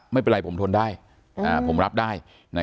ไม่เป็นไรผมทนได้ผมรับได้